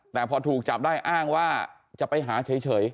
แต่พอถูกจับได้อ้างว่าจะไปหาเฉย